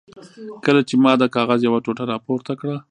کله چې ما د کاغذ یوه ټوټه را پورته کړه.